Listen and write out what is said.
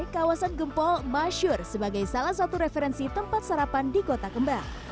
kawasan gempol masyur sebagai salah satu referensi tempat sarapan di kota kembang